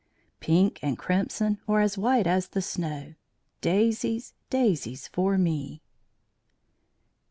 Pink and crimson, or as white as the snow; Daisies, daisies for me!